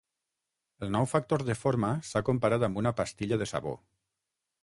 El nou factor de forma s'ha comparat amb una pastilla de sabó.